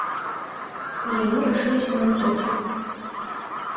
І яны рашыліся на ўцёкі.